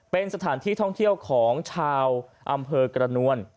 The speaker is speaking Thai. เป็นสถานที่ท่องเที่ยวของชาวอำเภอกระนวล